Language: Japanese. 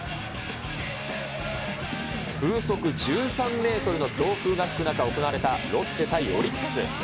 風速１３メートルの強風が吹く中、行われたロッテ対オリックス。